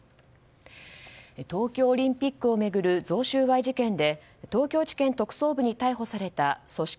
東京オリンピックを巡る贈収賄事件で東京地検特捜部に逮捕された組織